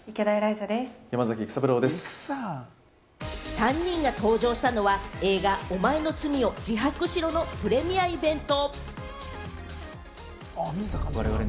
３人が登場したのは、映画『おまえの罪を自白しろ』のプレミアイベント。